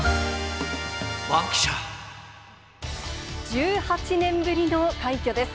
１８年ぶりの快挙です。